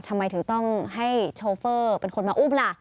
ทำไมถึงต้องให้โชเฟอร์เป็นคนมาอุ้มล่ะ